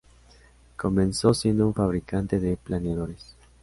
Comenzó siendo un fabricante de planeadores.